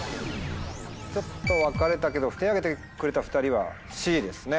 ちょっと分かれたけど手挙げてくれた２人はＣですね。